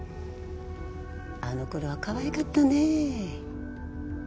あの頃はかわいかったね。